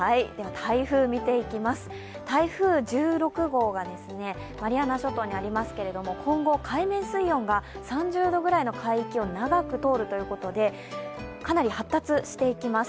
台風１６号がマリアナ諸島にありますが、今後、海面水温が３０度ぐらいの海域を長く通るということで、かなり発達していきます。